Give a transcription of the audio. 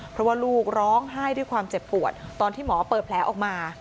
เพราะว่าลูกร้องไห้ด้วยความเจ็บปวดตอนที่หมอเปิดแผลออกมา